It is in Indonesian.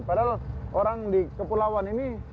padahal orang di kepulauan ini